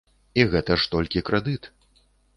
І гэта ж толькі крэдыт.